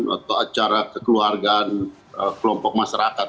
atau acara kekeluargaan kelompok masyarakat